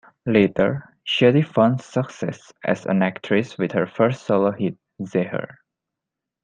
Later, Shetty found success as an actress with her first solo hit "Zeher".